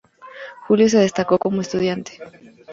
Julio se destacó como estudiante.